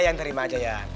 lu yang terima aja ya